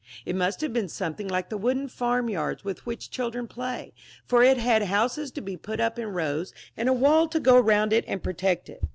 It must have been something like the wooden farmyards with which children play, for it had houses to be put up in rows, and a wall to go round it and protect it.